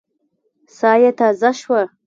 ساه يې تازه شوه.